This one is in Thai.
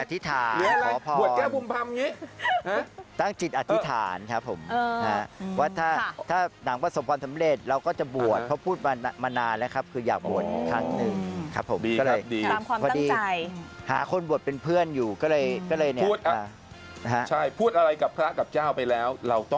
อ๋อ๘๘๘เท่าอันที่๖ตุลาคับอ๋ออันนี้หลวงพี่แจ๊กเรียกว่าประสบความสำเร็จไปแล้ว